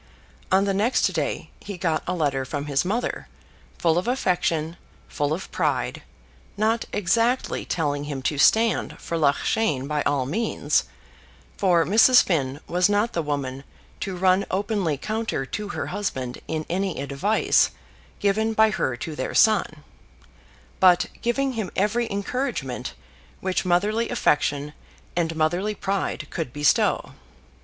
On the next day he got a letter from his mother full of affection, full of pride, not exactly telling him to stand for Loughshane by all means, for Mrs. Finn was not the woman to run openly counter to her husband in any advice given by her to their son, but giving him every encouragement which motherly affection and motherly pride could bestow.